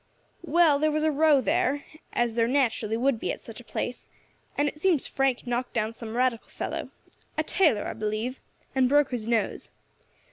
"Well, there was a row there, as there naturally would be at such a place, and it seems Frank knocked down some Radical fellow a tailor, I believe and broke his nose.